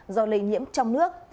do lây nhiễm trong nước